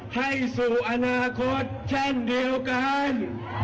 ให้สู่อนาคตเช่นเดียวกัน